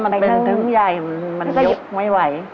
เพราะมันเป็นทึ้งใหญ่มันยกไม่ไหว